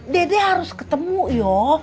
dede harus ketemu yo